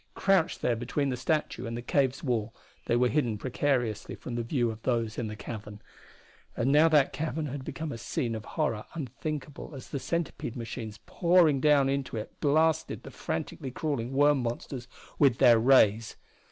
Crouched there between the statue and the cave's wall they were hidden precariously from the view of those in the cavern. And now that cavern had become a scene of horror unthinkable as the centipede machines pouring down into it blasted the frantically crawling worm monsters with their rays.